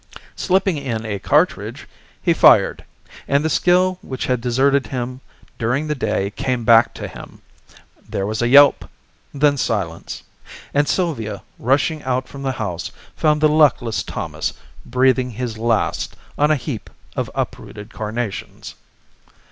Slipping in a cartridge, he fired; and the skill which had deserted him during the day came back to him. There was a yelp; then silence. And Sylvia, rushing out from the house, found the luckless Thomas breathing his last on a heap of uprooted carnations.